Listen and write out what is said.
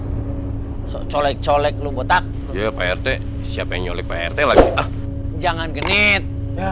hai solek solek lu botak dia prt siapa yang nyolik prt lagi jangan genit